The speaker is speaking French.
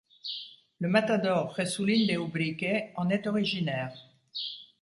Le matador Jesulín de Ubrique en est originaire.